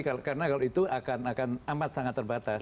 karena kalau itu akan amat sangat terbatas